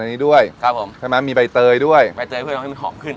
อันนี้ด้วยครับผมใช่ไหมมีใบเตยด้วยใบเตยเพื่อทำให้มันหอมขึ้น